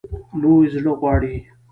لوی زړه غواړي.